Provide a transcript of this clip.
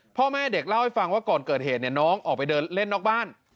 พ่อแม่เด็กเล่าให้ฟังว่าก่อนเกิดเหตุเนี่ยน้องออกไปเดินเล่นนอกบ้าน